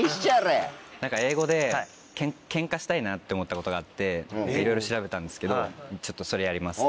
英語でケンカしたいなって思ったことがあっていろいろ調べたんですけどちょっとそれやります。